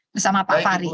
bersama pak fahri